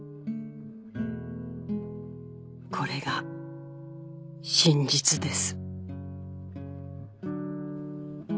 「これが真実です」